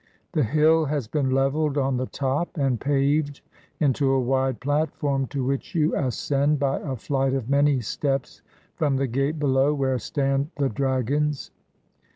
The hill has been levelled on the top and paved into a wide platform, to which you ascend by a flight of many steps from the gate below, where stand the dragons.